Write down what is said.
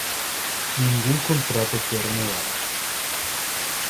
Ningún contrato fue renovado.